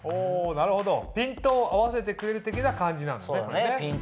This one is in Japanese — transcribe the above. なるほどピントを合わせてくれる的な感じなんだねこれね。